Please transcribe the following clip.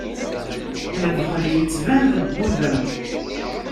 Lebxel ittban deg udem.